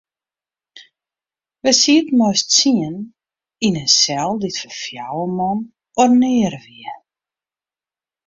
Wy sieten mei ús tsienen yn in sel dy't foar fjouwer man ornearre wie.